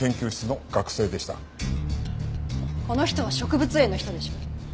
この人は植物園の人でしょ？